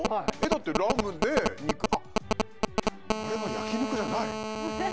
だってラムで肉ああれは焼肉じゃない！